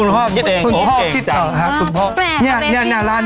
ประจำนี้แมง